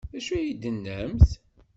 D acu ay d-tennamt?